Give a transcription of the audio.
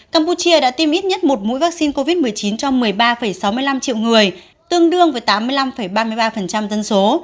campuchia đã tiêm ít nhất một mũi vaccine covid một mươi chín cho một mươi ba sáu mươi năm triệu người tương đương với tám mươi năm ba mươi ba dân số